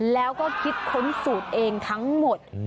แล้วก็คิดค้นสูตรเองทั้งหมด